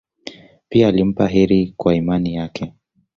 Pia alimpa heri kwa imani yake.